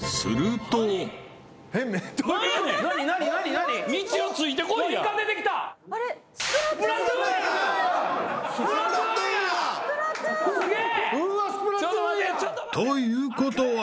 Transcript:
［ということは］